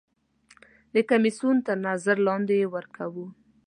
د کمیسیون تر نظر لاندې یې ورکوو.